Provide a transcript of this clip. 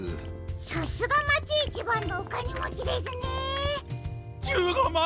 さすがまちいちばんのおかねもちですね！